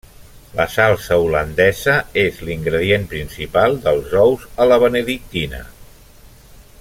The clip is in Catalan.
La salsa holandesa és l'ingredient principal dels ous a la benedictina.